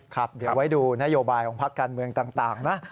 ครับเดี๋ยวไว้ดูนโยบายของพักการเมืองต่างนะ